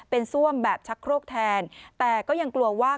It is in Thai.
เป็นซ่วมแบบชักโครกแทนแต่ก็ยังกลัวว่า